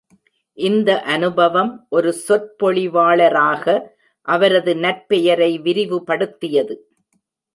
இந்த அனுபவம் ஒரு சொற்பொழிவாளராக அவரது நற்பெயரை விரிவுபடுத்தியது.